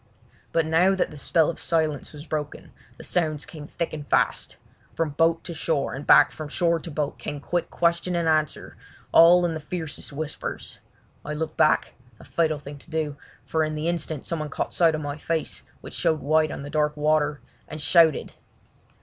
But now that the spell of silence was broken the sounds came thick and fast. From boat to shore and back from shore to boat came quick question and answer, all in the fiercest whispers. I looked back—a fatal thing to do—for in the instant someone caught sight of my face, which showed white on the dark water, and shouted.